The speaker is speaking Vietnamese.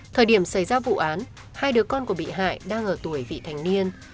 thời điểm xảy ra vụ án hai đứa con của bị hại đang ở tuổi vị thành niên